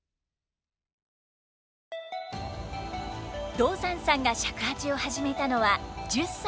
道山さんが尺八を始めたのは１０歳の頃。